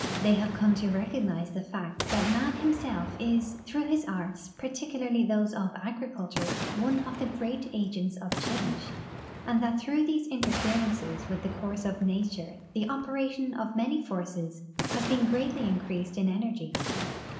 The}" have come to recognize the fact that man him self is, through his arts, particularly those of agriculture, one of the great agents of change, and that through these interferences with the course of nature the operation of many foz'ces has been greatly increased in energy.